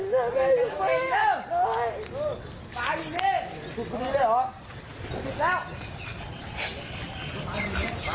ทุกคนดีด้วยหรือพลิกแล้ว